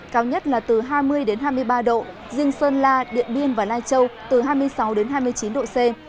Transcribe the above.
cao nhất là từ hai mươi hai mươi ba độ riêng sơn la điện biên và lai châu từ hai mươi sáu đến hai mươi chín độ c